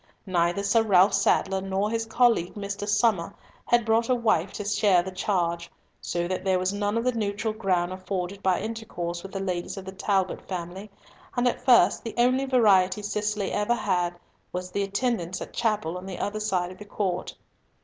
Neither Sir Ralf Sadler nor his colleague, Mr. Somer, had brought a wife to share the charge, so that there was none of the neutral ground afforded by intercourse with the ladies of the Talbot family, and at first the only variety Cicely ever had was the attendance at chapel on the other side of the court.